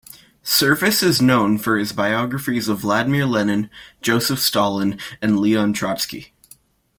Service is known for his biographies of Vladimir Lenin, Joseph Stalin and Leon Trotsky.